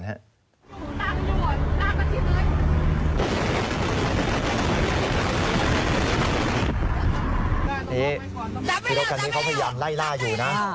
อันนี้รถคันนี้เขาพยายามไล่ล่าอยู่นะ